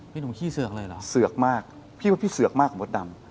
หนุ่มขี้เสือกเลยเหรอเสือกมากพี่ว่าพี่เสือกมากกว่ามดดำ